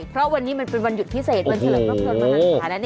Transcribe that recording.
เพราะวันนี้มันเป็นวันหยุดพิเศษวันเฉลยรับรวมธรรมธรรมศาลนั้นเอง